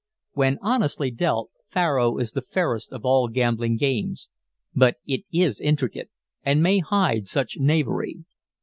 When honestly dealt, faro is the fairest of all gambling games, but it is intricate, and may hide much knavery.